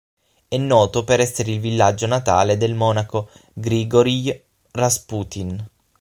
È noto per essere il villaggio natale del monaco Grigorij Rasputin.